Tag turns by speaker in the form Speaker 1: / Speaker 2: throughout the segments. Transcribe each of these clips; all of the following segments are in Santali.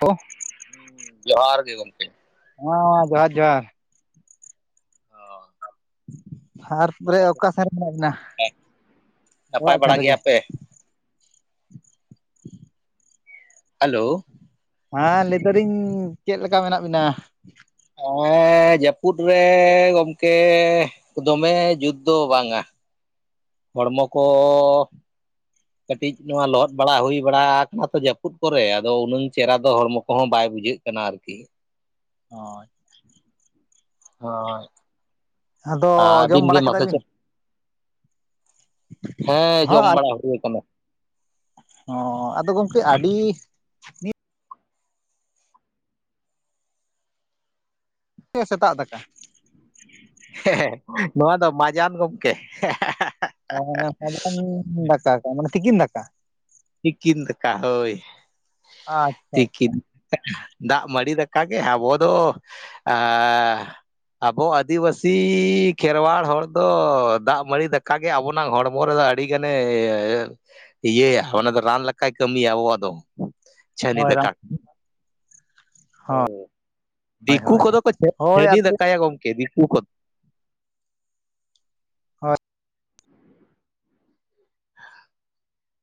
Speaker 1: ᱦᱮᱞᱳ
Speaker 2: ᱡᱚᱦᱟᱨ ᱜᱮ ᱜᱚᱢᱠᱮ
Speaker 1: ᱦᱚᱸᱻ ᱡᱚᱦᱟᱨ ᱡᱚᱦᱟᱨ ᱛᱟᱨ ᱯᱚᱨᱮ ᱚᱠᱟ ᱥᱮᱱ ᱨᱮ ᱢᱮᱱᱟᱜ ᱵᱤᱱᱟ
Speaker 2: ᱱᱟᱯᱟᱭ
Speaker 1: ᱚᱲᱟᱜ ᱥᱮᱱ
Speaker 2: ᱵᱟᱲᱟ
Speaker 1: ᱨᱮᱜᱮ
Speaker 2: ᱜᱮᱭᱟ ᱯᱮ
Speaker 1: [inaudible]
Speaker 2: ᱦᱮᱞᱳ
Speaker 1: ᱦᱟᱸ ᱞᱟᱹᱭᱫᱟ ᱞᱤᱧ ᱪᱮᱫ ᱞᱮᱠᱟ ᱢᱮᱱᱟᱜ ᱵᱤᱱᱟ?
Speaker 2: ᱮᱻ ᱡᱟᱹᱯᱩᱫ ᱨᱮᱻ ᱜᱚᱢᱠᱮ ᱫᱚᱢᱮ ᱡᱩᱛ ᱫᱚ ᱵᱟᱝᱟ ᱦᱚᱲᱢᱚ ᱠᱚ ᱠᱟᱹᱴᱤᱡ ᱱᱚᱣᱟ ᱞᱚᱦᱚᱫ ᱵᱟᱲᱟ ᱦᱩᱭ ᱵᱟᱲᱟᱛᱚ ᱡᱟᱹᱯᱩᱫ ᱠᱚᱨᱮ ᱟᱫᱚ ᱩᱱᱟᱹᱝ ᱪᱮᱦᱨᱟ ᱫᱚ ᱦᱚᱲᱢᱚ ᱠᱚᱦᱚᱸ ᱵᱟᱭ ᱵᱩᱡᱷᱟᱹᱜ ᱠᱟᱱᱟ ᱟᱨᱠᱤ
Speaker 1: ᱦᱚᱸᱭ
Speaker 2: ᱦᱳᱭ
Speaker 1: ᱟᱫᱚ
Speaker 2: ᱟᱹᱵᱤᱱ
Speaker 1: ᱡᱚᱢ
Speaker 2: ᱜᱮ
Speaker 1: ᱵᱟᱲᱟ ᱠᱮᱫᱟ
Speaker 2: ᱢᱟᱥᱮ
Speaker 1: ᱵᱤᱱ
Speaker 2: ᱪᱮᱫ ᱦᱮᱸ ᱡᱚᱢ ᱵᱟᱲᱟ ᱦᱩᱭ ᱟᱠᱟᱱᱟ
Speaker 1: ᱚ ᱟᱫᱚ ᱜᱚᱝᱠᱮ ᱟᱹᱰᱤ ᱦᱮᱸ ᱥᱮᱛᱟᱜ ᱫᱟᱠᱟ
Speaker 2: ᱦᱮᱸ ᱱᱚᱣᱟ ᱫᱚ ᱢᱟᱡᱟᱱ ᱜᱚᱝᱠᱮ
Speaker 1: [unintelligible] ᱫᱟᱠᱟ ᱠᱟᱜ ᱢᱟᱱᱮ ᱛᱤᱠᱤᱱ ᱫᱟᱠᱟ
Speaker 2: ᱛᱤᱠᱤᱱ ᱫᱟᱠᱟ ᱦᱚᱭ
Speaker 1: ᱟᱪᱪᱷᱟ ᱟᱪᱪᱷᱟ
Speaker 2: ᱛᱤᱠᱤᱱ ᱫᱟᱜ ᱢᱟᱹᱰᱤ ᱫᱟᱠᱟ ᱜᱮ ᱟᱵᱚ ᱫᱚ ᱟᱸᱻ ᱟᱵᱚ ᱟᱹᱫᱤᱵᱟᱹᱥᱤ ᱠᱷᱮᱨᱣᱟᱲ ᱦᱚᱲ ᱫᱚ ᱫᱟᱜ ᱢᱟᱹᱰᱤ ᱫᱟᱠᱟ ᱜᱮ ᱟᱵᱚᱱᱟ ᱦᱚᱲᱢᱚ ᱨᱮᱫᱚ ᱟᱹᱰᱤ ᱜᱟᱱᱮ ᱤᱭᱟᱹᱭᱟ ᱚᱱᱟ ᱫᱚ ᱨᱟᱱ ᱞᱮᱠᱟᱭ ᱠᱟᱹᱢᱤᱭᱟ ᱟᱵᱚᱣᱟᱜ ᱫᱚ ᱪᱷᱟᱹᱱᱤ
Speaker 1: ᱦᱳᱭ ᱨᱟᱢ
Speaker 2: ᱫᱟᱠᱟ
Speaker 1: ᱦᱳᱭ
Speaker 2: ᱫᱤᱠᱩ
Speaker 1: ᱦᱳᱭ
Speaker 2: ᱠᱚᱫᱚ ᱠᱚ
Speaker 1: ᱦᱳᱭ
Speaker 2: ᱪᱷᱟᱹᱱᱤ
Speaker 1: ᱟᱨᱠᱤ
Speaker 2: ᱫᱟᱠᱟᱭᱟ ᱜᱚᱝᱠᱮ ᱫᱤᱠᱩ ᱠᱚᱫᱚ
Speaker 1: [unintelligible]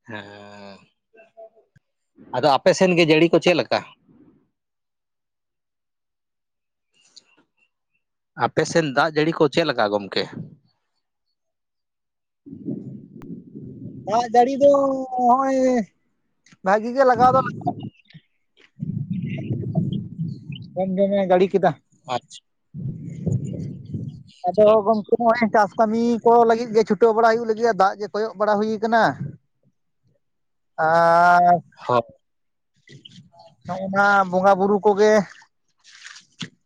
Speaker 2: ᱦᱮᱸ ᱟᱫᱚ ᱟᱯᱮ ᱥᱮᱫ ᱜᱮ ᱡᱟᱹᱲᱤ ᱠᱚ ᱪᱮᱫ ᱞᱮᱠᱟ ᱟᱯᱮᱥᱮᱫ ᱫᱟᱜ ᱡᱟᱹᱲᱤ ᱠᱚ ᱪᱮᱫ ᱞᱮᱠᱟ ᱜᱚᱝᱠᱮ
Speaker 1: ᱫᱟᱜ ᱡᱟᱹᱲᱤ ᱫᱚ ᱱᱚᱜᱼᱚᱭ ᱵᱷᱟᱹᱜᱤ ᱜᱮ ᱞᱟᱜᱟᱣ ᱫᱚ ᱞᱟᱜᱟᱣ
Speaker 2: [inaudible]
Speaker 1: [unintelligible] ᱡᱟᱹᱲᱤ ᱠᱮᱫᱟ
Speaker 2: ᱟᱪᱪᱷᱟ
Speaker 1: [inaudible] ᱟᱫᱚ ᱜᱚᱝᱠᱮ ᱱᱚᱜᱼᱚᱭ ᱪᱟᱥ ᱠᱟᱹᱢᱤ ᱠᱚ ᱞᱟᱹᱜᱤᱫ ᱜᱮ ᱪᱷᱩᱴᱟᱹᱣ ᱵᱟᱲᱟ ᱦᱩᱭᱩᱜ ᱞᱟᱹᱜᱤᱫ ᱫᱟᱜ ᱜᱮ ᱠᱚᱭᱚᱜ ᱵᱟᱲᱟ ᱦᱩᱭ ᱟᱠᱟᱱᱟ ᱟᱨ
Speaker 2: [unintelligible]
Speaker 1: ᱱᱚᱜᱼᱚᱭᱱᱟ ᱵᱚᱸᱜᱟ ᱵᱩᱨᱩ ᱠᱚᱜᱮ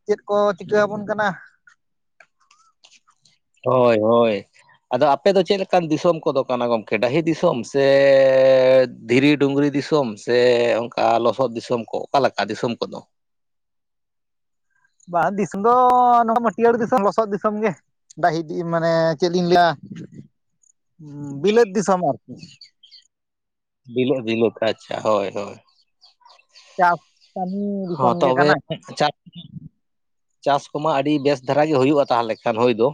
Speaker 1: ᱪᱮᱫ ᱠᱚ ᱪᱤᱠᱟᱹ ᱟᱵᱚᱱ ᱠᱟᱱᱟ
Speaker 2: ᱦᱳᱭ ᱦᱳᱭ ᱟᱫᱚ ᱟᱯᱮ ᱫᱚ ᱪᱮᱫ ᱞᱮᱠᱟᱱ ᱫᱤᱥᱚᱢ ᱠᱚᱫᱚ ᱠᱟᱱᱟ ᱜᱚᱝᱠᱮ ᱰᱟᱹᱦᱤ ᱫᱤᱥᱚᱢ ᱥᱮ ᱫᱷᱤᱨᱤ ᱰᱩᱝᱨᱤ ᱫᱤᱥᱚᱢ ᱥᱮ ᱚᱱᱠᱟ ᱞᱚᱥᱚᱫ ᱫᱤᱥᱚᱢ ᱠᱚ ᱚᱠᱟᱞᱮᱠᱟ ᱫᱤᱥᱚᱢ ᱠᱚᱫᱚ
Speaker 1: ᱵᱟᱝ ᱫᱤᱥ ᱫᱚ ᱱᱚ ᱦᱤᱭᱟᱹᱟᱹᱲ ᱫᱤᱥᱚᱢ ᱞᱚᱥᱚᱫ ᱫᱤᱥᱚᱢ ᱜᱮ ᱰᱟᱹᱦᱤ ᱢᱟᱱᱮ ᱪᱮᱫ ᱞᱤᱧ ᱞᱟᱹᱭᱟ ᱦᱚ ᱵᱤᱞᱮᱛ ᱫᱤᱥᱚᱢ ᱟᱨᱠᱤ
Speaker 2: ᱵᱤᱞᱮᱫᱽ ᱵᱤᱞᱮᱫᱽ ᱟᱪᱪᱷᱟ ᱦᱳᱭ ᱦᱳᱭ
Speaker 1: ᱪᱟᱥ ᱠᱟᱹᱢᱤ
Speaker 2: ᱦᱚᱸ
Speaker 1: ᱫᱤᱥᱚᱢ ᱜᱮ
Speaker 2: ᱛᱚᱵᱮ
Speaker 1: ᱠᱟᱱᱟ
Speaker 2: ᱪᱟ ᱪᱟᱥ ᱠᱚᱢᱟ ᱟᱹᱰᱤ ᱵᱮᱥ ᱫᱷᱟᱨᱟ ᱜᱮ ᱦᱩᱭᱩᱜᱼᱟ ᱛᱟᱦᱚᱞᱮ ᱠᱷᱟᱱ ᱦᱩᱭ ᱫᱚ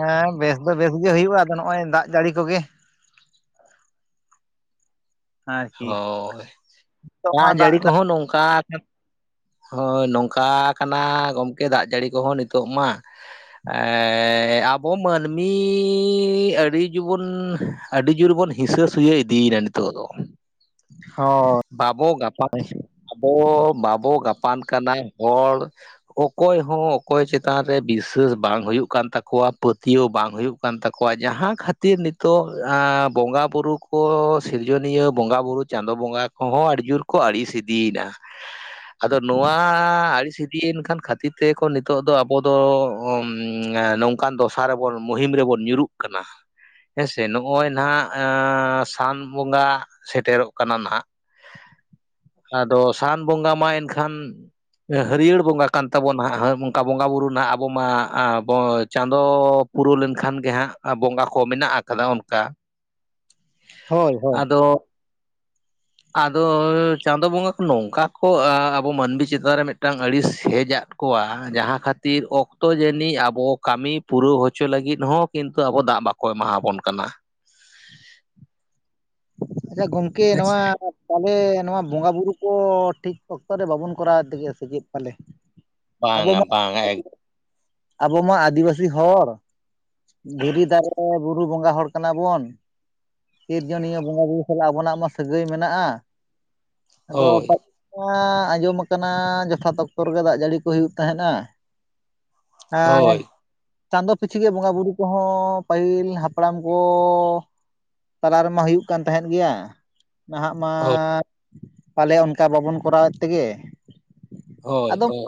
Speaker 1: ᱦᱮᱸ ᱵᱮᱥ ᱫᱚ ᱵᱮᱥ ᱜᱮ ᱦᱩᱭᱩᱜᱼᱟ ᱟᱫᱚ ᱱᱚᱜᱼᱚᱭ ᱫᱟᱜ ᱡᱟᱹᱲᱤ ᱠᱚᱜᱮ ᱟᱨᱠᱤ
Speaker 2: ᱦᱳᱭ ᱫᱟᱜ ᱡᱟᱹᱲᱤ ᱠᱚᱦᱚᱸ ᱱᱚᱝᱠᱟ ᱦᱳᱭ ᱱᱚᱝᱠᱟ ᱠᱟᱱᱟ ᱜᱚᱝᱠᱮ ᱫᱟᱜ ᱡᱟᱹᱲᱤ ᱠᱚᱦᱚᱸ ᱱᱤᱛᱚᱜ ᱢᱟ ᱮ ᱟᱵᱚ ᱢᱟᱹᱱᱢᱤ ᱟᱹᱰᱤ ᱜᱮᱵᱚᱱ ᱟᱹᱰᱤ ᱡᱳᱨ ᱵᱚᱱ ᱦᱤᱥᱟᱹ ᱥᱩᱭᱟᱹ ᱤᱫᱤᱭᱮᱱᱟ ᱱᱤᱛᱚᱜ ᱫᱚ
Speaker 1: ᱚᱻ
Speaker 2: ᱵᱟᱵᱚ ᱜᱟᱯᱟᱱ ᱟᱵᱚ ᱵᱟᱵᱚ ᱜᱟᱯᱟᱱ ᱠᱟᱱᱟ ᱦᱚᱲ ᱚᱠᱚᱭ ᱦᱚᱸ ᱚᱠᱚᱭ ᱪᱮᱛᱟᱱ ᱨᱮ ᱵᱤᱥᱥᱟᱹᱥ ᱵᱟᱝ ᱦᱩᱭᱩᱜ ᱠᱟᱱ ᱛᱟᱠᱚᱣᱟ ᱯᱟᱹᱛᱭᱟᱹᱣ ᱵᱟᱝ ᱦᱩᱭᱩᱜ ᱠᱟᱱᱟ ᱠᱟᱱ ᱛᱟᱠᱚᱣᱟ ᱡᱟᱦᱟᱸ ᱠᱷᱟᱹᱛᱤᱨ ᱱᱤᱛᱚᱜ ᱵᱚᱸᱜᱟ ᱵᱩᱨᱩ ᱠᱚ ᱥᱤᱨᱡᱚᱱᱤᱭᱟᱹ ᱵᱚᱸᱜᱟ ᱵᱩᱨᱩ ᱪᱟᱸᱫᱳ ᱵᱚᱸᱜᱟ ᱠᱚᱦᱚᱸ ᱟᱹᱰᱤ ᱡᱳᱨ ᱠᱚ ᱟᱹᱲᱤᱥ ᱤᱫᱤᱭᱮᱱᱟ ᱟᱫᱚ ᱱᱚᱣᱟ ᱟᱹᱲᱤᱥ ᱤᱫᱤᱭᱮᱱ ᱠᱷᱟᱱ ᱠᱷᱟᱹᱛᱤᱨ ᱛᱮᱜᱮᱠᱚ ᱱᱤᱛᱳᱜ ᱫᱚ ᱟᱵᱚ ᱫᱚ ᱱᱚᱝᱠᱟᱱ ᱫᱚᱥᱟᱨ ᱨᱮᱵᱚᱱ ᱢᱩᱦᱤᱢ ᱨᱮᱵᱚᱱ ᱧᱩᱨᱩᱜ ᱠᱟᱱᱟ ᱦᱮᱸᱥᱮ ᱱᱚᱜᱼᱚᱭ ᱱᱟᱦᱟᱜ ᱥᱟᱱ ᱵᱚᱸᱜᱟ ᱥᱮᱴᱮᱨᱚᱜ ᱠᱟᱱᱟ ᱱᱟᱱᱟᱜ ᱟᱫᱚ ᱥᱟᱱ ᱵᱚᱸᱜᱟ ᱢᱟ ᱮᱱᱠᱷᱟᱱ ᱦᱟᱹᱨᱭᱟᱹᱲ ᱵᱚᱸᱜᱟ ᱠᱟᱱ ᱛᱟᱵᱚᱱᱟ ᱦᱟᱸᱜ ᱦᱟᱹ ᱚᱝᱠᱟ ᱵᱚᱸᱜᱟᱼᱵᱩᱨᱩ ᱱᱟᱦᱟᱜ ᱟᱵᱚ ᱢᱟ ᱟᱸ ᱵᱚ ᱪᱟᱸᱫᱚ ᱯᱩᱨᱟᱹᱣ ᱞᱮᱱᱠᱷᱟᱱ ᱜᱮ ᱦᱟᱸᱜ ᱟ ᱵᱚᱸᱜᱟ ᱠᱚ ᱢᱮᱱᱟᱜ ᱟᱠᱟᱫᱟ ᱚᱱᱠᱟ
Speaker 1: ᱦᱳᱭ ᱦᱳᱭ
Speaker 2: ᱟᱫᱚ
Speaker 1: [inaudible]
Speaker 2: ᱟᱫᱚ ᱪᱟᱸᱫᱳ ᱵᱚᱸᱜᱟ ᱠᱚ ᱱᱚᱝᱠᱟ ᱠᱚ ᱟᱵᱚ ᱢᱟᱹᱱᱢᱤ ᱪᱮᱛᱟᱱ ᱨᱮ ᱢᱤᱫᱴᱟᱝ ᱟᱹᱲᱤᱥ ᱦᱮᱡᱼᱟᱜ ᱠᱚᱣᱟ ᱡᱟᱦᱟᱸ ᱠᱷᱟᱹᱛᱤᱨ ᱚᱠᱛᱚ ᱡᱟᱹᱱᱤᱡ ᱟᱵᱚ ᱠᱟᱹᱢᱤ ᱯᱩᱨᱟᱹᱣ ᱦᱚᱪᱚ ᱞᱟᱹᱜᱤᱫ ᱦᱚᱸ ᱠᱤᱱᱛᱩ ᱟᱵᱚ ᱫᱟᱜ ᱵᱟᱠᱚ ᱠᱚᱭ ᱮᱟᱦᱟ ᱵᱚᱱ ᱠᱟᱱᱟ
Speaker 1: ᱟᱪᱷᱟ ᱜᱚᱝᱠᱮ ᱱᱚᱣᱟ
Speaker 2: ᱦᱮᱸᱥᱮ
Speaker 1: ᱛᱟᱦᱚᱞᱮ ᱱᱚᱣᱟ ᱵᱚᱸᱜᱟ ᱵᱩᱨᱩ ᱠᱚ ᱴᱷᱤᱠ ᱚᱠᱛᱚ ᱨᱮ ᱵᱟᱵᱚᱱ ᱠᱚᱨᱟᱣ ᱮᱫ ᱛᱮᱜᱮ ᱥᱮ ᱪᱮᱫ ᱯᱟᱞᱮ
Speaker 2: ᱵᱟᱝᱼᱟ ᱵᱟᱝᱟ ᱮᱠ
Speaker 1: ᱟᱹᱵᱩ ᱢᱟ ᱟᱹᱫᱤᱵᱟᱹᱥᱤ ᱦᱚᱲ ᱫᱷᱤᱨᱤ ᱫᱟᱨᱮ ᱵᱩᱨᱩ ᱵᱚᱸᱜᱟ ᱦᱚᱲ ᱠᱟᱱᱟ ᱵᱩᱱ ᱥᱤᱨᱡᱚᱱᱤᱭᱟᱹ ᱵᱚᱸᱜᱟ ᱵᱩᱨᱩ ᱥᱟᱞᱟᱜ ᱟᱵᱚᱱᱟᱜ ᱢᱟ ᱥᱟᱹᱜᱟᱹᱭ ᱢᱮᱱᱟᱜᱼᱟ᱾ ᱟᱫᱚ
Speaker 2: ᱦᱳᱭ
Speaker 1: ᱯᱟ ᱟᱸᱡᱚᱢ ᱟᱠᱟᱱᱟ ᱡᱚᱛᱷᱟᱛ ᱚᱠᱛᱚ ᱨᱮᱜᱮ ᱫᱟᱜ ᱡᱟᱹᱲᱤ ᱠᱚ ᱦᱩᱭᱩᱜ ᱛᱟᱦᱮᱸᱱᱟ ᱟᱨ
Speaker 2: ᱦᱳᱭ
Speaker 1: ᱪᱟᱸᱫᱚ ᱯᱤᱪᱷᱤ ᱜᱮ ᱵᱚᱸᱜᱟ ᱵᱩᱨᱩ ᱠᱚᱦᱚᱸ ᱯᱟᱹᱦᱤᱞ ᱦᱟᱯᱲᱟᱢ ᱠᱚ ᱛᱟᱞᱟ ᱨᱮᱢᱟ ᱦᱩᱭᱩᱜ ᱠᱟᱱ ᱛᱟᱦᱮᱸᱫ ᱜᱮᱭᱟ ᱱᱟᱦᱟᱜ ᱢᱟ
Speaker 2: ᱦᱳᱭ
Speaker 1: ᱯᱟᱞᱮ ᱚᱱᱠᱟ ᱵᱟᱵᱚᱱ ᱠᱚᱨᱟᱣᱮᱫ ᱛᱮᱜᱮ
Speaker 2: ᱦᱳᱭ
Speaker 1: ᱟᱫᱚ
Speaker 2: ᱦᱳᱭ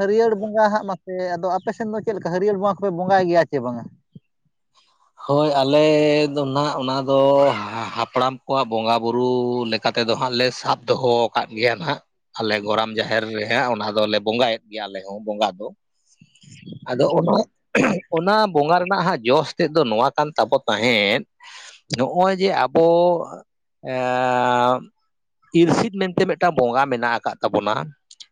Speaker 1: ᱦᱟᱹᱨᱭᱟᱹᱲ ᱵᱚᱸᱜᱟ ᱦᱟᱸᱜ ᱢᱟᱥᱮ ᱟᱫᱚ ᱟᱯᱮ ᱥᱮᱫ ᱫᱚ ᱪᱮᱫ ᱞᱮᱠᱟ ᱦᱟᱹᱨᱭᱟᱹᱲ ᱵᱚᱸᱜᱟ ᱠᱚᱯᱮ ᱵᱚᱸᱜᱟᱭ ᱜᱮᱭᱟ ᱪᱮ ᱵᱟᱝᱟ?
Speaker 2: ᱦᱳᱭ ᱟᱞᱮ ᱫᱚ ᱱᱟᱦᱟᱜ ᱚᱱᱟ ᱫᱚ ᱦᱟ ᱦᱟᱯᱲᱟᱢ ᱠᱚᱣᱟᱜ ᱵᱚᱸᱜᱟ ᱵᱩᱨᱩ ᱞᱮᱠ ᱠᱟᱛᱮᱫ ᱫᱚ ᱦᱟᱸᱜ ᱞᱮ ᱥᱟᱵ ᱫᱚᱦᱚ ᱟᱠᱟᱫ ᱜᱮᱭᱟ ᱱᱟᱦᱟᱸᱜ ᱟᱞᱮ ᱜᱚᱨᱟᱢ ᱡᱟᱦᱮᱨ ᱨᱮᱦᱟᱸᱜ ᱚᱱᱟ ᱫᱚᱞᱮ ᱵᱚᱸᱜᱟᱭᱮᱫ ᱜᱮᱭᱟ ᱟᱞᱮ ᱦᱚᱸ ᱵᱚᱸᱜᱟ ᱫᱚ ᱟᱫᱚ ᱚᱱᱟ ᱚᱱᱟ ᱵᱚᱸᱜᱟ ᱨᱮᱱᱟᱜ ᱦᱟᱸᱜ ᱡᱚᱥ ᱪᱮᱫ ᱫᱚ ᱱᱚᱣᱟ ᱠᱟᱱ ᱛᱟᱵᱚ ᱛᱟᱦᱮᱸᱫ ᱱᱚᱜᱼᱚᱭ ᱡᱮ ᱟᱵᱚ ᱮᱻ ᱤᱨᱥᱤᱫ ᱢᱮᱱᱛᱮ ᱢᱤᱫᱴᱟᱝ ᱵᱚᱸᱜᱟ ᱢᱮᱱᱟᱜ ᱟᱠᱟᱫ ᱛᱟᱵᱚᱱᱟ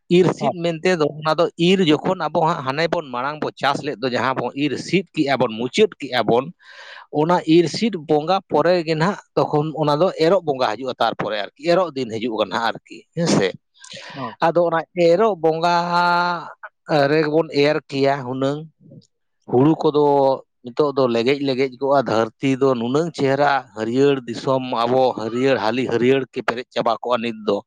Speaker 2: ᱤᱨᱥᱤᱫ ᱢᱮᱱᱛᱮ ᱫᱚ ᱚᱱᱟ ᱫᱚ ᱤᱨ ᱡᱚᱠᱷᱚᱱ ᱟᱵᱚ ᱦᱟᱸᱜ ᱦᱟᱱᱮ ᱵᱚᱱ ᱢᱟᱲᱟᱝ ᱵᱚ ᱪᱟᱥ ᱞᱮᱫ ᱫᱚ ᱡᱟᱦᱟᱸ ᱵᱚᱱ ᱤᱨ ᱥᱤᱫ ᱠᱮᱜᱼᱟ ᱵᱚᱱ ᱢᱩᱪᱟᱹᱫ ᱛᱮᱜᱼᱟ ᱵᱚᱱ ᱚᱱᱟ ᱤᱨᱥᱤᱫ ᱵᱚᱸᱜᱟ ᱯᱚᱨᱮ ᱜᱮ ᱱᱟᱦᱟᱜ ᱛᱚᱠᱷᱚᱱ ᱚᱱᱟ ᱫᱚ ᱮᱨᱚᱜ ᱵᱚᱸᱜᱟ ᱦᱤᱡᱩᱜᱼᱟ ᱛᱟᱨᱯᱚᱨᱮ ᱟᱨᱠᱤ ᱮᱨᱚᱜ ᱫᱤᱱ ᱦᱤᱡᱩᱜ ᱠᱟᱱᱟᱜ ᱟᱨᱠᱤ ᱦᱮᱸ ᱥᱮ ᱟᱫᱚ ᱚᱱᱟ ᱮᱨᱚᱜ ᱵᱚᱸᱜᱟ ᱨᱮᱜᱮ ᱵᱚᱱ ᱮᱨ ᱠᱮᱭᱟ ᱦᱩᱱᱟᱹᱝ ᱦᱩᱲᱩ ᱠᱚᱫᱚ ᱱᱤᱛᱚᱜ ᱫᱚ ᱞᱮᱜᱮᱡ ᱞᱮᱜᱮᱡ ᱠᱚᱜᱼᱟ ᱫᱷᱟᱹᱨᱛᱤ ᱫᱚ ᱱᱩᱱᱟᱹᱝ ᱪᱮᱦᱨᱟ ᱦᱟᱹᱨᱭᱟᱹᱲ ᱫᱤᱥᱚᱢ ᱟᱵᱚ ᱦᱟᱹᱨᱭᱟᱹᱲ ᱦᱟᱹᱞᱤ ᱦᱟᱹᱨᱭᱟᱹᱲ ᱠᱮ ᱯᱮᱨᱮᱡ ᱪᱟᱵᱟ ᱠᱚᱜᱼᱟ ᱱᱤᱛ ᱫᱚ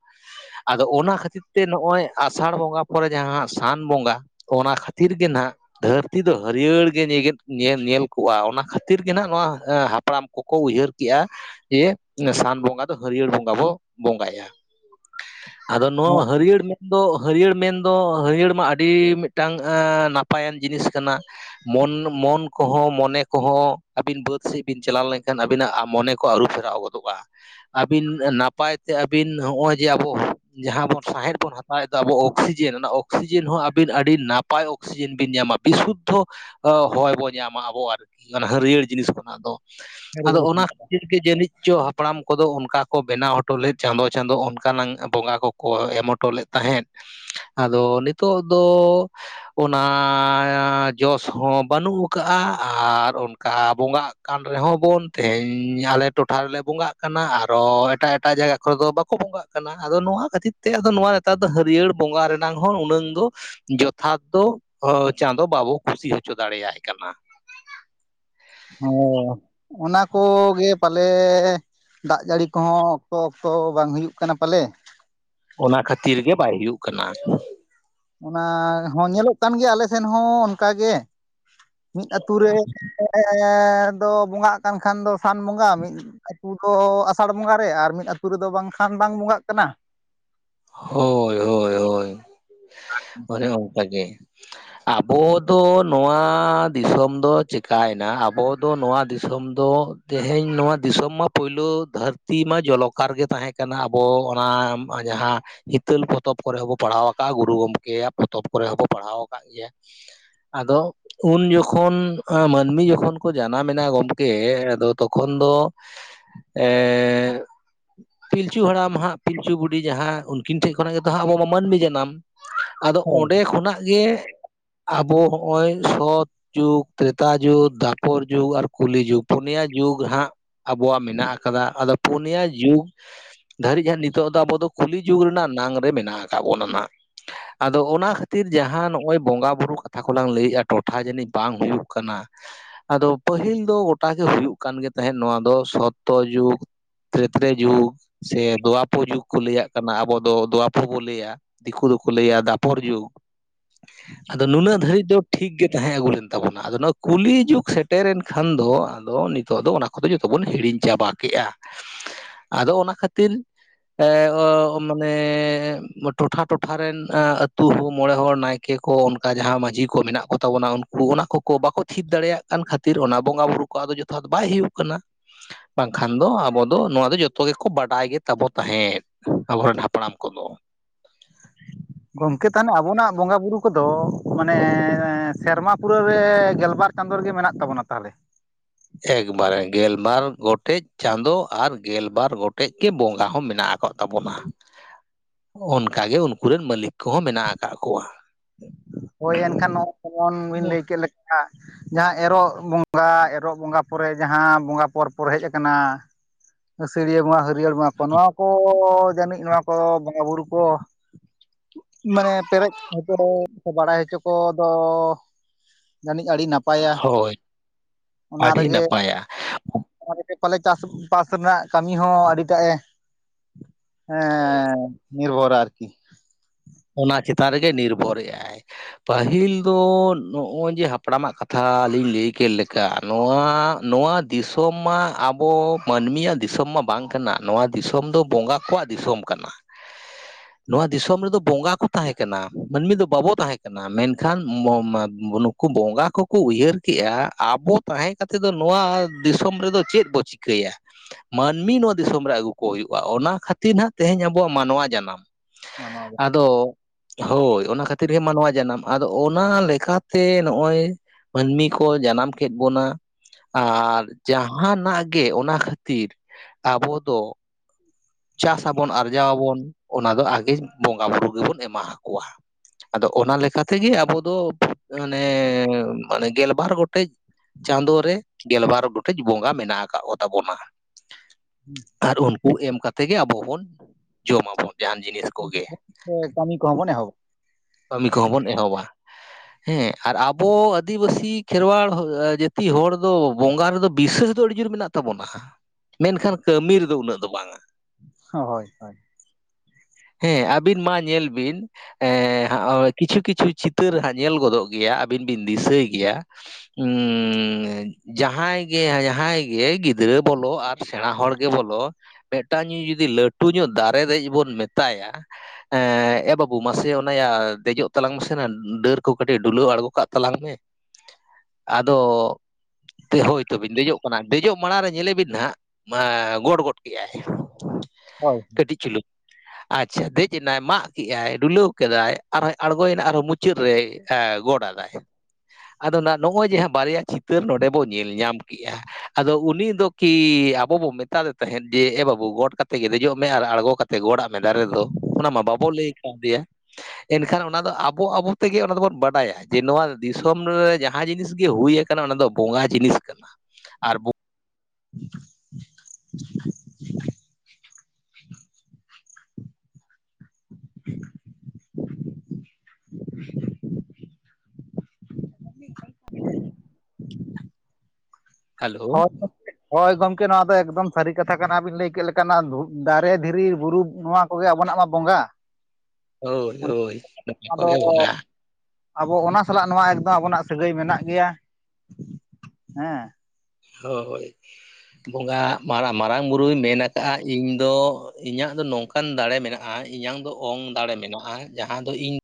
Speaker 2: ᱟᱫᱚ ᱚᱱᱟ ᱠᱷᱟᱹᱛᱤᱨ ᱛᱮ ᱱᱚᱜᱼᱚᱭ ᱟᱥᱟᱲ ᱵᱚᱸᱜᱟ ᱯᱚᱨᱮ ᱡᱟᱦᱟᱸ ᱥᱟᱱ ᱵᱚᱸᱜᱟ ᱚᱱᱟ ᱠᱷᱟᱹᱛᱤᱨ ᱜᱮ ᱱᱟᱦᱱᱟᱜ ᱫᱷᱟᱹᱨᱛᱤ ᱫᱚ ᱦᱟᱹᱨᱭᱟᱹᱲ ᱜᱮ ᱧᱮᱜᱮᱫ ᱧᱮᱞ ᱧᱮᱞ ᱠᱚᱜᱼᱟ ᱚᱱᱟ ᱠᱷᱟᱹᱛᱤᱨ ᱜᱮ ᱱᱷᱟᱜ ᱱᱚᱣᱟ ᱮ ᱦᱟᱯᱲᱟᱢ ᱠᱚᱠᱚ ᱩᱭᱦᱟᱹᱨ ᱠᱮᱜᱼᱟ ᱡᱮ ᱮ ᱥᱟᱱ ᱵᱚᱸᱜᱟ ᱫᱚ ᱦᱟᱹᱨᱭᱟᱹᱲ ᱵᱚᱸᱜᱟ ᱵᱚ ᱵᱚᱸᱜᱟᱭᱟ ᱟᱫᱚ ᱱᱚᱣᱟ ᱦᱟᱹᱨᱭᱟᱹᱲ ᱢᱮ ᱫᱚ ᱦᱟᱹᱨᱭᱟᱹᱲ ᱢᱮᱱᱫᱚ ᱦᱟᱹᱨᱭᱟᱹᱲ ᱢᱟ ᱟᱹᱰᱤ ᱢᱤᱫᱴᱟᱝ ᱮᱸ ᱱᱟᱯᱟᱭᱟᱱ ᱡᱤᱱᱤᱥ ᱠᱟᱱᱟ ᱢᱚᱱ ᱢᱚᱱ ᱠᱚᱦᱚᱸ ᱢᱚᱱᱮ ᱠᱚᱦᱚᱸ ᱟᱹᱵᱤᱱ ᱵᱟᱹᱫᱽ ᱥᱮᱫ ᱵᱤᱱ ᱪᱟᱞᱟᱣ ᱞᱮᱱᱠᱷᱟᱱ ᱟᱹᱵᱤᱱᱟᱜ ᱢᱚᱱᱮ ᱠᱚ ᱟᱹᱨᱩ ᱯᱷᱮᱨᱟᱣ ᱜᱚᱫᱚᱜᱼᱟ ᱾ ᱟᱹᱵᱤᱱ ᱮ ᱱᱟᱯᱟᱭ ᱛᱮ ᱟᱹᱵᱤᱱ ᱦᱚᱸᱜᱼᱚᱭ ᱡᱮ ᱟᱵᱚ ᱡᱟᱦᱟᱸ ᱵᱚᱱ ᱥᱟᱦᱮᱸᱫ ᱵᱚᱱ ᱦᱟᱛᱟᱣᱮᱫ ᱫᱚ ᱟᱵᱚ ᱚᱠᱥᱤᱡᱮᱱ ᱚᱱᱟ ᱚᱠᱥᱤᱡᱮᱱ ᱦᱚᱸ ᱟᱵᱤᱱ ᱟᱹᱰᱤ ᱱᱟᱯᱟᱭ ᱚᱠ ᱚᱠᱥᱤᱡᱮᱱ ᱵᱤᱱ ᱧᱟᱢᱟ ᱵᱤᱥᱩᱫᱽᱫᱷᱚ ᱟᱹ ᱦᱚᱭ ᱵᱚ ᱧᱟᱢᱟ ᱟᱵᱚ ᱟᱨᱠᱤ ᱚᱱᱟ ᱦᱟᱹᱨᱭᱟᱹᱲ ᱡᱤᱱᱤᱥ ᱠᱷᱚᱱᱟᱜ ᱫᱚ ᱟᱫᱚ ᱚᱱᱟ ᱪᱮᱫᱮ ᱠᱚ ᱡᱟᱹᱱᱤᱡ ᱪᱚ ᱦᱟᱯᱲᱟᱢ ᱠᱚᱫᱚ ᱚᱱᱠᱟ ᱠᱚ ᱵᱮᱱᱟᱣ ᱦᱚᱴᱚ ᱞᱮᱫ ᱪᱟᱸᱫᱚ ᱪᱟᱸᱫᱚ ᱚᱱᱠᱟᱱᱟᱝ ᱵᱚᱸᱜᱟ ᱠᱚ ᱠᱚ ᱮᱢ ᱦᱚᱴᱚ ᱞᱮᱫ ᱛᱟᱦᱮᱸᱫ ᱟᱫᱚ ᱱᱤᱛᱚᱜ ᱫᱚ ᱚᱱᱟᱻ ᱡᱚᱥ ᱦᱚᱸ ᱵᱟᱹᱱᱩᱜ ᱟᱠᱟᱫ-ᱟ ᱟᱨ ᱚᱱᱠᱟ ᱵᱚᱸᱜᱟᱜ ᱠᱟᱱ ᱨᱮᱦᱚᱸ ᱵᱚᱱ ᱛᱮᱦᱮᱧ ᱟᱞᱮ ᱴᱚᱴᱷᱟ ᱨᱮᱞᱮ ᱵᱚᱸᱜᱟᱜ ᱠᱟᱱᱟ ᱟᱨᱚ ᱮᱴᱟᱜ ᱮᱴᱟᱜ ᱡᱟᱭᱜᱟ ᱠᱚᱨᱮ ᱫᱚ ᱵᱟᱠᱚ ᱵᱚᱸᱜᱟᱜ ᱠᱟᱱᱟ ᱟᱫᱚ ᱱᱚᱣᱟ ᱠᱷᱟᱹᱛᱤᱨ ᱛᱮ ᱟᱫᱚ ᱱᱚᱣᱟ ᱱᱮᱛᱟᱨ ᱫᱚ ᱦᱟᱹᱨᱭᱟᱹᱲ ᱵᱚᱸᱜᱟ ᱨᱮᱱᱟᱝ ᱦᱚᱸ ᱩᱱᱟᱹᱝ ᱫᱚ ᱡᱚᱛᱷᱟᱛ ᱫᱚ ᱪᱟᱸᱫᱚ ᱵᱟᱵᱚ ᱠᱩᱥᱤ ᱦᱚᱪᱚ ᱫᱟᱲᱮᱭᱟᱭ ᱠᱟᱱᱟ
Speaker 1: ᱦᱚᱸ ᱚᱱᱟ ᱠᱚ ᱜᱮ ᱯᱟᱞᱮ ᱫᱟᱜ ᱡᱟᱹᱲᱤ ᱠᱚᱦᱚᱸ ᱚᱠᱛᱚ ᱚᱠᱛᱚ ᱵᱟᱝ ᱦᱩᱭᱩᱜ ᱠᱟᱱᱟ ᱯᱟᱞᱮ
Speaker 2: ᱚᱱᱟ ᱠᱷᱟᱹᱛᱤᱨ ᱜᱮ ᱵᱟᱭ ᱦᱩᱭᱩᱜ ᱠᱟᱱᱟ
Speaker 1: ᱚᱱᱟ ᱦᱚᱸ ᱧᱮᱞᱚᱜ ᱠᱟᱱ ᱜᱮᱭᱟ ᱟᱞᱮ ᱥᱮᱱ ᱦᱚᱸ ᱚᱱᱠᱟᱜᱮ ᱢᱤᱫ ᱟᱛᱩ ᱨᱮ ᱫᱚ ᱵᱚᱸᱜᱟᱜ ᱠᱟᱱ ᱠᱷᱟᱱ ᱫᱚ ᱥᱟᱱ ᱵᱚᱸᱜᱟ ᱢᱤᱫ ᱟᱛᱩ ᱫᱚ ᱟᱥᱟᱲ ᱵᱚᱸᱜᱟ ᱨᱮ ᱟᱨ ᱢᱤᱫ ᱟᱛᱩ ᱨᱮᱫᱚ ᱵᱟᱝᱠᱷᱟᱱ ᱵᱟᱝ ᱵᱚᱸᱜᱟᱜ ᱠᱟᱱᱟ
Speaker 2: ᱦᱳᱭ ᱦᱳᱭ ᱦᱳᱭ
Speaker 1: ᱟ
Speaker 2: ᱦᱮᱸ ᱚᱝᱠᱟᱜᱮ ᱟᱵᱚ ᱫᱚ ᱱᱚᱣᱟ ᱫᱤᱥᱚᱢ ᱫᱚ ᱪᱮᱠᱟᱹᱭᱱᱟ ᱟᱵᱚ ᱫᱚ ᱱᱚᱣᱟ ᱫᱤᱥᱚᱢ ᱫᱚ ᱛᱮᱦᱮᱧ ᱱᱚᱣᱟ ᱫᱤᱥᱚᱢ ᱢᱟ ᱯᱩᱭᱞᱩ ᱫᱷᱟᱹᱨᱛᱤ ᱢᱟ ᱡᱚᱞᱚᱠᱟᱨ ᱜᱮ ᱛᱟᱦᱮᱸ ᱠᱟᱱᱟ ᱟᱵᱚ ᱚᱱᱟ ᱡᱟᱦᱟᱸ ᱦᱤᱛᱟᱹᱞ ᱯᱚᱛᱚᱵ ᱠᱚᱨᱮ ᱦᱚᱸ ᱵᱚ ᱯᱟᱲᱦᱟᱣ ᱟᱠᱟᱜᱼᱟ ᱜᱩᱨᱩ ᱜᱚᱢᱠᱮ ᱜᱮᱭᱟ ᱯᱚᱛᱚᱵ ᱠᱚᱨᱮ ᱦᱚᱸᱵᱚ ᱯᱟᱲᱦᱟᱣ ᱟᱠᱟᱫ ᱜᱮᱭᱟ ᱟᱫᱚ ᱩᱱ ᱡᱚᱠᱷᱚᱱ ᱢᱟᱹᱱᱢᱤ ᱡᱚᱠᱷᱚᱱ ᱠᱚ ᱡᱟᱱᱟᱢ ᱢᱮᱱᱟ ᱜᱚᱢᱠᱮ ᱟᱫᱚ ᱛᱚᱠᱷᱚᱱ ᱫᱚ ᱮ ᱯᱤᱞᱪᱩ ᱦᱟᱲᱟᱢ ᱦᱟᱸᱜ ᱯᱤᱞᱪᱩ ᱵᱩᱰᱷᱤ ᱡᱟᱦᱟᱸ ᱩᱱᱠᱤᱱ ᱴᱷᱮᱱ ᱠᱷᱚᱱᱟᱜ ᱜᱮᱛᱚ ᱦᱟᱸᱜ ᱟᱵᱚ ᱢᱟ ᱢᱟᱹᱱᱢᱤ ᱡᱟᱱᱟᱢ ᱟᱫᱚ
Speaker 1: ᱦᱳᱭ
Speaker 2: ᱚᱸᱰᱮ ᱠᱷᱚᱱᱟᱜ ᱜᱮ ᱟᱵᱚ ᱦᱚᱸᱜ-ᱚᱭ ᱥᱚᱛ ᱡᱩᱜᱽ ᱛᱨᱮᱛᱟ ᱡᱩᱜᱽ ᱫᱟᱯᱚᱨ ᱡᱩᱜᱽ ᱟᱨ ᱠᱩᱞᱤ ᱡᱩᱜᱽ ᱯᱩᱱᱭᱟ ᱡᱩᱜᱽ ᱦᱟᱸᱜ ᱟᱵᱚᱣᱟᱜ ᱢᱮᱱᱟᱜ ᱟᱠᱟᱫᱟ ᱟᱫᱚ ᱯᱩᱱᱭᱟ ᱡᱩᱜᱽ ᱫᱷᱟᱹᱨᱤᱡ ᱦᱟᱸᱜ ᱱᱤᱛᱚᱜ ᱫᱚ ᱟᱵᱚ ᱫᱚ ᱠᱩᱞᱤ ᱡᱩᱜᱽ ᱨᱮᱱᱟᱜ ᱱᱟᱝ ᱨᱮ ᱢᱮᱱᱟᱜ ᱟᱠᱟᱫ ᱵᱚᱱᱟ ᱱᱷᱟᱜ ᱟᱫᱚ ᱚᱱᱟ ᱠᱷᱟᱹᱛᱤᱨ ᱡᱟᱦᱟᱸ ᱱᱚᱜ-ᱚᱭ ᱵᱚᱸᱜᱟ ᱵᱩᱨᱩ ᱠᱟᱛᱷᱟ ᱠᱚᱞᱟᱝ ᱞᱟᱹᱭᱮᱜ-ᱟ ᱴᱚᱴᱷᱟ ᱡᱟᱹᱱᱤᱡ ᱵᱟᱝ ᱦᱩᱭᱩᱜ ᱠᱟᱱᱟ ᱟᱫᱚ ᱯᱟᱹᱦᱤᱞ ᱫᱚ ᱜᱚᱴᱟ ᱜᱮ ᱦᱩᱭᱩᱜ ᱠᱟᱱ ᱜᱮ ᱛᱟᱦᱮᱸᱫ ᱱᱚᱣᱟ ᱫᱚ ᱥᱚᱛᱚ ᱡᱩᱜᱽ ᱛᱨᱮᱛᱨᱮ ᱡᱩᱜᱽ ᱥᱮ ᱫᱚᱣᱟᱯᱩ ᱡᱩᱜᱽ ᱠᱚ ᱞᱟᱹᱭᱟᱜ ᱠᱟᱱᱟ ᱟᱵᱚ ᱫᱚ ᱫᱳᱣᱟᱯᱩ ᱵᱚ ᱞᱟᱹᱭᱟ ᱫᱤᱠᱩ ᱫᱚ ᱠᱚ ᱞᱟᱹᱭᱟ ᱫᱟᱯᱚᱨ ᱡᱩᱜᱽ ᱟᱫᱚ ᱱᱩᱱᱟᱹᱜ ᱫᱷᱟᱹᱨᱤᱡ ᱫᱚ ᱴᱷᱤᱠ ᱜᱮ ᱛᱟᱦᱮᱸ ᱟᱹᱜᱩ ᱞᱮᱱ ᱛᱟᱵᱚᱱᱟ ᱟᱫᱚ ᱱᱚᱣᱟ ᱠᱩᱞᱤ ᱡᱩᱜᱽ ᱥᱮᱴᱮᱨᱮᱱ ᱠᱷᱟᱱ ᱫᱚ ᱟᱫᱚ ᱱᱤᱛᱚᱜ ᱫᱚ ᱚᱱᱟ ᱠᱚᱫᱚ ᱡᱚᱛᱚ ᱵᱚᱱ ᱦᱤᱲᱤᱧ ᱪᱟᱵᱟ ᱠᱮᱫᱮᱜ-ᱟ ᱟᱫᱚ ᱚᱱᱟ ᱠᱷᱟᱹᱛᱤᱨ ᱮᱸ ᱚᱸ ᱢᱟᱱᱮ ᱴᱚᱴᱷᱟ ᱴᱚᱴ ᱴᱚᱴᱷᱟ ᱨᱮᱱ ᱟᱹᱛᱩ ᱦᱚᱸ ᱢᱚᱬᱮ ᱦᱚᱲ ᱱᱟᱭᱠᱮ ᱠᱚ ᱚᱱᱠᱟ ᱡᱟᱦᱟᱸ ᱢᱟᱺᱡᱷᱤ ᱠᱚ ᱢᱮᱱᱟᱜ ᱠᱚ ᱛᱟᱵᱚᱱᱟ ᱩᱱᱠᱩ ᱚᱱᱟ ᱠᱚᱠᱚ ᱵᱟᱠᱚ ᱪᱷᱤᱛ ᱫᱟᱲᱮᱭᱟᱜ ᱠᱟᱱ ᱠᱷᱟᱹᱛᱤᱨ ᱚᱱᱟ ᱵᱚᱸᱜᱟ ᱵᱩᱨᱩ ᱠᱚ ᱟᱫᱚ ᱡᱚᱛᱷᱟᱛ ᱵᱟᱭ ᱦᱩᱭᱩᱜ ᱠᱟᱱᱟ ᱵᱟᱝᱠᱷᱟᱱ ᱫᱚ ᱟᱵᱚ ᱫᱚ ᱱᱚᱣᱟ ᱫᱚ ᱡᱚᱛᱚ ᱜᱮᱠᱚ ᱵᱟᱰᱟᱭ ᱜᱮ ᱛᱟᱵᱚ ᱛᱟᱦᱮᱸᱼᱼ ᱟᱵᱚ ᱨᱮᱱ ᱦᱟᱯᱲᱟᱢ ᱠᱚᱫᱚ
Speaker 1: ᱜᱚᱢᱠᱮ ᱛᱟᱦᱚᱞᱮ ᱟᱵᱚᱱᱟᱜ ᱵᱚᱸᱜᱟ ᱵᱩᱨᱩ ᱠᱚᱫᱚ ᱢᱟᱱᱮ ᱥᱮᱨᱢᱟ ᱯᱩᱨᱟᱹᱣ ᱨᱮ ᱜᱮᱞᱵᱟᱨ ᱪᱟᱸᱫᱳ ᱨᱮ ᱜᱮ ᱢᱮᱱᱟᱜ ᱛᱟᱵᱚᱱᱟ ᱛᱟᱦᱚᱞᱮ
Speaker 2: ᱮᱠᱵᱟᱨᱮ ᱜᱮᱞᱵᱟᱨ ᱜᱚᱴᱮᱡ ᱪᱟᱸᱫᱚ ᱟᱨ ᱜᱮᱞᱵᱟᱨ ᱜᱚᱴᱮᱡ ᱜᱮ ᱵᱚᱸᱜᱟ ᱦᱚᱸ ᱢᱮᱱᱟᱜ ᱟᱠᱟᱫ ᱛᱟᱵᱚᱱᱟ
Speaker 1: [inaudible]
Speaker 2: ᱚᱱᱠᱟᱜᱮ ᱩᱱᱠᱩ ᱨᱮᱱ ᱢᱟᱹᱞᱤᱠ ᱠᱚᱦᱚᱸ ᱢᱮᱱᱟᱜ ᱟᱠᱟᱜ ᱠᱚᱣᱟ
Speaker 1: ᱦᱳᱭ ᱮᱱᱠᱷᱟᱱ ᱱᱚᱣᱟ ᱡᱮᱢᱚᱱ ᱵᱤᱱ ᱞᱟᱹᱭ ᱠᱮᱫ ᱞᱮᱠᱟ ᱡᱟᱦᱟᱸ ᱮᱨᱚᱜ ᱵᱚᱸᱜᱟ ᱮᱨᱚᱜ ᱵᱚᱸᱜᱟ ᱯᱚᱨᱮ ᱡᱟᱦᱟᱸ ᱵᱚᱸᱜᱟ ᱯᱚᱨ ᱯᱚᱨ ᱦᱮᱡ ᱠᱟᱱᱟ᱾ ᱟᱹᱥᱟᱹᱲᱤᱭᱟᱹ ᱵᱚᱸᱜᱟ ᱦᱟᱹᱨᱭᱟᱹᱲ ᱵᱚᱸᱜᱟ ᱠᱚ ᱱᱚᱣᱟ ᱠᱚ ᱡᱟᱹᱱᱤᱡ ᱱᱚᱣᱟ ᱠᱚ ᱵᱚᱸᱜᱟ ᱵᱩᱨᱩ ᱠᱚ ᱢᱟᱱᱮ ᱯᱮᱨᱮᱡ ᱦᱚᱪᱚ ᱫᱚ ᱵᱟᱲᱟᱭ ᱦᱚᱪᱚ ᱠᱚ ᱫᱚ ᱡᱟᱹᱱᱤᱡ ᱟᱹᱰᱤ ᱱᱟᱯᱟᱭ ᱱᱟᱯᱟᱭᱟ
Speaker 2: ᱦᱳᱭ
Speaker 1: ᱚᱱᱟ
Speaker 2: ᱟᱹᱰᱤ
Speaker 1: ᱨᱮᱜᱮ
Speaker 2: ᱱᱟᱯᱟᱭᱟ
Speaker 1: ᱚᱱᱟ ᱨᱮ ᱜᱮ ᱪᱟᱥ ᱵᱟᱥ ᱨᱮᱱᱟᱜ ᱠᱟᱹᱢᱤ ᱦᱚᱸ ᱟᱹᱰᱤᱴᱟᱜ ᱦᱮᱸ ᱱᱤᱨᱵᱷᱚᱨᱟ ᱟᱨᱠᱤ
Speaker 2: ᱚᱱᱟ ᱪᱮᱛᱟᱱ ᱨᱮᱜᱮ ᱱᱤᱨᱵᱷᱚᱨᱮᱜᱼᱟᱭ ᱯᱟᱹᱦᱤᱞ ᱫᱚ ᱱᱚᱜ-ᱚᱭ ᱡᱮ ᱦᱟᱯᱲᱟᱢᱟᱜ ᱠᱟᱛᱷᱟ ᱞᱤᱧ ᱞᱟᱹᱭ ᱠᱮᱫ ᱞᱮᱠᱟ᱾ ᱱᱚᱣᱟ ᱱᱚᱣᱟ ᱫᱤᱥᱚᱢ ᱢᱟ ᱟᱵᱚ ᱢᱟᱹᱱᱢᱤᱭᱟᱜ ᱫᱤᱥᱚᱢ ᱢᱟ ᱵᱟᱝ ᱠᱟᱱᱟ᱾ ᱱᱚᱣᱟ ᱫᱤᱥᱚᱢ ᱫᱚ ᱵᱚᱸᱜᱟ ᱠᱚᱣᱟᱜ ᱫᱤᱥᱚᱢ ᱠᱟᱱᱟ᱾
Speaker 1: [inaudible]
Speaker 2: ᱱᱚᱣᱟ ᱫᱤᱥᱚᱢ ᱨᱮᱫᱚ ᱵᱚᱸᱜᱟ ᱠᱚ ᱛᱟᱦᱮᱸ ᱠᱟᱱᱟ ᱢᱟᱹᱱᱢᱤ ᱫᱚ ᱵᱟᱵᱚ ᱛᱟᱦᱮᱸ ᱠᱟᱱᱟ, ᱢᱮᱱᱠᱷᱟᱱ ᱱᱩᱠᱩ ᱠᱩ ᱵᱚᱸᱜᱟ ᱠᱚᱠᱚ ᱩᱭᱦᱟᱹᱨ ᱠᱮᱜᱼᱟ ᱟᱵᱚ ᱛᱟᱦᱮᱸ ᱠᱟᱛᱮ ᱫᱚ ᱱᱚᱣᱟ ᱫᱤᱥᱚᱢ ᱨᱮᱫᱚ ᱪᱮᱫ ᱵᱚ ᱪᱤᱠᱟᱹᱭᱟ᱾ ᱢᱟᱹᱱᱢᱤ ᱱᱚᱣᱟ ᱫᱤᱥᱚᱢ ᱨᱮ ᱟᱹᱜᱩ ᱠᱚ ᱦᱩᱭᱩᱜᱼᱟ, ᱚᱱᱟ ᱠᱷᱟᱹᱛᱤᱨ ᱦᱟᱸᱜ ᱛᱮᱦᱮᱧ ᱟᱵᱚᱣᱟᱜ ᱢᱟᱱᱣᱟ ᱡᱟᱱᱟᱢ ᱾
Speaker 1: ᱢᱟᱱᱚᱣᱟ ᱡᱟᱱᱟᱢ
Speaker 2: ᱫᱚ ᱦᱳᱭ ᱚᱱᱟ ᱠᱷᱟᱹᱛᱤᱨ ᱜᱮ ᱢᱟᱱᱣᱟ ᱡᱟᱱᱟᱢ ᱟᱫᱚ ᱚᱱᱟ ᱞᱮᱠᱟᱛᱮ ᱱᱚᱜᱼᱚᱭ ᱢᱟᱹᱱᱢᱤ ᱠᱚ ᱡᱟᱱᱟᱢ ᱠᱮᱫ ᱵᱚᱱᱟ᱾ ᱟᱨ ᱡᱟᱦᱟᱱᱟᱜ ᱜᱮ ᱚᱱᱟ ᱠᱷᱟᱹᱛᱤᱨ ᱟᱵᱚ ᱫᱚ ᱪᱟᱥ ᱟᱵᱚᱱ ᱟᱨᱡᱟᱣ ᱟᱵᱚᱱ ᱚᱱᱟ ᱫᱚ ᱟᱜᱮ ᱵᱚᱸᱜᱟ ᱵᱩᱨᱩ ᱜᱮᱵᱚᱱ ᱮᱢᱟ ᱦᱟᱠᱚᱣᱼᱟ᱾ ᱟᱫᱚ ᱚᱱᱟ ᱞᱮᱠᱟ ᱛᱮᱜᱮ ᱟᱵᱚ ᱫᱚ ᱢᱟᱱᱮ ᱢᱟᱱᱮ ᱜᱮᱞᱵᱟᱨ ᱜᱚᱴᱮᱡ ᱪᱟᱸᱫᱳ ᱨᱮ ᱜᱮᱞᱵᱟᱨ ᱜᱚᱴᱮᱡ ᱵᱚᱸᱜᱟ ᱢᱮᱱᱟᱜ ᱠᱟᱜ ᱠᱚ ᱛᱟᱵᱚᱱᱟ᱾
Speaker 1: [unintelligible]
Speaker 2: ᱟᱨ ᱩᱱᱠᱩ ᱮᱢ ᱠᱟᱛᱮ ᱜᱮ ᱟᱵᱚ ᱦᱚᱸᱵᱚᱱ ᱡᱚᱢᱟᱵᱚᱱ ᱡᱟᱦᱟᱸᱱ ᱡᱤᱱᱤᱥ᱾ ᱠᱚᱜᱮ
Speaker 1: [inaudible] ᱠᱟᱹᱢᱤ ᱠᱚᱦᱚ ᱵᱚᱱ ᱮᱦᱚᱵᱟ᱾
Speaker 2: ᱠᱟᱹᱢᱤ ᱠᱚᱦᱚᱸ ᱵᱚᱱ ᱮᱦᱚᱵᱟ᱾ ᱦᱮᱸ ᱟᱨ ᱟᱵᱚ ᱟᱹᱫᱤᱵᱟᱹᱥᱤ ᱠᱷᱮᱨᱣᱟᱲ ᱡᱟᱹᱛᱤ ᱦᱚᱲ ᱫᱚ ᱵᱚᱸᱜᱟ ᱨᱮᱫᱚ ᱵᱤᱥᱟᱹᱥ ᱫᱚ ᱟᱹᱰᱤ ᱡᱩᱨ ᱢᱮᱱᱟᱜ ᱛᱟᱵᱚᱱᱟ, ᱢᱮᱱᱠᱷᱟᱱ ᱠᱟᱹᱢᱤ ᱨᱮᱫᱚ ᱩᱱᱟᱹᱜ ᱫᱚ ᱵᱟᱝᱟ᱾
Speaker 1: ᱦᱳᱭᱻ ᱦᱚᱭᱻ᱾
Speaker 2: ᱦᱮᱸ ᱟᱹᱵᱤᱱ ᱢᱟ ᱧᱮᱞ ᱵᱤᱱ᱾ ᱮᱜ ᱠᱤᱪᱷᱩ ᱠᱤᱪᱷᱩ ᱪᱤᱛᱟᱹᱨ ᱦᱟᱸᱜ ᱧᱮᱞ ᱜᱚᱫᱚᱜ ᱜᱮᱭᱟ, ᱟᱹᱵᱤᱱ ᱵᱤᱱ ᱫᱤᱥᱟᱹᱭ ᱜᱮᱭᱟ ᱩᱢᱻ᱾ ᱡᱟᱦᱟᱸᱭ ᱜᱮ ᱡᱟᱸᱜᱟ ᱡᱟᱦᱟᱸᱭ ᱜᱮ ᱜᱤᱫᱽᱨᱟᱹ ᱵᱚᱞᱚ ᱟᱨ ᱥᱮᱬᱟ ᱦᱚᱲ ᱜᱮ ᱵᱚᱞᱚ ᱢᱮᱫᱴᱟᱝ ᱡᱩᱫᱤ ᱞᱟᱹᱴᱩ ᱧᱚᱜ ᱫᱟᱨᱮ ᱫᱮᱡ ᱵᱚᱱ ᱢᱮᱛᱟᱭᱟ᱾ ᱮ ᱵᱟᱹᱵᱩ ᱢᱟᱥᱮ ᱚᱱᱮ ᱭᱟ‌ ᱫᱮᱡᱚᱜ ᱛᱟᱞᱟᱝ ᱢᱮᱥᱮ ᱱᱟ ᱰᱟᱹᱨ ᱠᱚ ᱠᱟᱹᱴᱤᱡ ᱰᱩᱞᱟᱹᱣ ᱟᱬᱜᱚ ᱠᱟᱜ ᱛᱟᱞᱟᱝ ᱢᱮ᱾
Speaker 1: [unintelligible]
Speaker 2: ᱟᱫᱚ ᱦᱳᱭ ᱛᱚᱵᱤᱱ ᱫᱮᱡᱚᱜ ᱠᱟᱱᱟ, ᱫᱮᱡᱚᱜ ᱢᱟᱲᱟᱝ ᱨᱮ ᱧᱮᱞᱮ ᱵᱤᱱ ᱦᱟᱸᱜ ᱢᱟ ᱜᱚᱸᱰ ᱜᱚᱫ ᱠᱮᱜ-ᱟᱭ
Speaker 1: ᱦᱳᱭ
Speaker 2: ᱠᱟᱹᱴᱤᱡ ᱪᱩᱞᱩᱝ᱾ ᱟᱪᱪᱷᱟ ᱫᱮᱡ ᱮᱱᱟᱭ ᱢᱟᱜ ᱠᱮᱜ-ᱟᱭ ᱰᱩᱞᱟᱹᱣ ᱠᱮᱫᱟᱭ ᱟᱨᱦᱚᱸᱭ ᱟᱬᱜᱚᱭᱱᱟ ᱟᱨᱦᱚᱸ ᱢᱩᱪᱟᱹᱫ ᱨᱮ ᱜᱚᱰ ᱟᱫᱟᱭ᱾ ᱟᱫᱚ ᱱᱟ ᱱᱚᱜᱼᱚᱭ ᱡᱮ ᱦᱟᱸᱜ ᱵᱟᱨᱭᱟ ᱪᱤᱛᱟᱹᱨ ᱱᱚᱰᱮ ᱵᱚ ᱧᱮᱞ ᱧᱟᱢ ᱠᱮᱜᱼᱟ ᱟᱫᱚ ᱩᱱᱤ ᱫᱚ ᱠᱤ ᱟᱵᱚ ᱵᱚ ᱢᱮᱛᱟᱫᱮ ᱛᱟᱦᱮᱸᱫ, ᱡᱮ ᱮ ᱵᱟᱹᱵᱩ ᱜᱚᱴ ᱠᱟᱛᱮ ᱜᱮ ᱫᱮᱡᱚᱜ ᱢᱮ ᱟᱨ ᱟᱬᱜᱚ ᱠᱟᱛᱮ ᱜᱚᱰ-ᱟᱜ ᱢᱮ᱾ ᱢᱮ ᱫᱟᱨᱮ ᱫᱚ, ᱚᱱᱟ ᱢᱟ ᱵᱟᱵᱚ ᱞᱟᱹᱭ ᱠᱟᱣᱫᱮᱭᱟ᱾ ᱮᱱᱠᱷᱟᱱ ᱚᱱᱟ ᱫᱚ ᱟᱵᱚ ᱟᱵᱚ ᱛᱮᱜᱮ ᱚᱱᱟ ᱫᱚᱵᱚᱱ ᱵᱟᱰᱟᱭᱟ, ᱡᱮ ᱱᱚᱣᱟ ᱫᱤᱥᱚᱢ ᱨᱮ ᱡᱟᱦᱟᱸ ᱡᱤᱱᱤᱥ ᱜᱮ ᱦᱩᱭᱮᱱ ᱠᱟᱱᱟ ᱚᱱᱟ ᱫᱚ ᱵᱚᱸᱜᱟ ᱡᱤᱱᱤᱥ ᱠᱟᱱᱟ ᱟᱨ
Speaker 1: [unintelligible]
Speaker 2: ᱦᱮᱞᱳ
Speaker 1: ᱦᱳᱭ ᱜᱚᱢᱠᱮ᱾ ᱦᱳᱭ ᱜᱚᱢᱠᱮ ᱱᱚᱣᱟ ᱫᱚ ᱮᱠᱫᱚᱢ ᱥᱟᱹᱨᱤ ᱠᱟᱛᱷᱟ ᱠᱟᱱᱟᱵᱤᱱ ᱞᱟᱹᱭ ᱠᱮᱫ ᱞᱮᱠᱟ ᱱᱟᱜ ᱫᱟᱨᱮ ᱫᱷᱤᱨᱤ ᱵᱩᱨᱩ ᱱᱚᱣᱟ ᱠᱚᱜᱮ ᱟᱵᱚᱱᱟᱜ ᱢᱟ ᱵᱚᱸᱜᱟ᱾
Speaker 2: ᱦᱳᱭᱻ
Speaker 1: ᱚᱱᱟ
Speaker 2: ᱦᱳᱭᱻ
Speaker 1: ᱫᱚ
Speaker 2: ᱡᱷᱚᱛᱚᱜᱮ ᱵᱚᱝᱜᱟ ᱾
Speaker 1: ᱟᱵᱚ ᱚᱱᱟ ᱥᱟᱞᱟᱜ ᱱᱚᱣᱟ ᱮᱠᱫᱚᱢ ᱟᱵᱚᱱᱟᱜ ᱥᱟᱹᱜᱟᱹᱭ ᱢᱮᱱᱟᱜ ᱜᱮᱭᱟ᱾ ᱦᱮᱸ
Speaker 2: ᱦᱳᱭ ᱵᱚᱸᱜᱟ ᱢᱟᱨᱟᱝ ᱵᱩᱨᱩᱭ ᱢᱮᱱ ᱟᱠᱟᱜᱼᱟ ᱤᱧ ᱫᱚ ᱤᱧᱟᱹᱜ ᱫᱚ ᱱᱚᱝᱠᱟᱱ ᱫᱟᱲᱮ ᱢᱮᱱᱟᱜᱼᱟ, ᱤᱧᱟᱹᱜ ᱫᱚ ᱚᱝ ᱫᱟᱲᱮ ᱢᱮᱱᱟᱜᱼᱟ, ᱡᱟᱦᱟᱸ ᱫᱚ ᱤᱧ